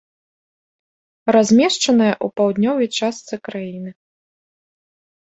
Размешчаная ў паўднёвай частцы краіны.